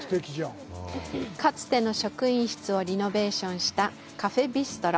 かつての職員室をリノベーションしたカフェビストロ。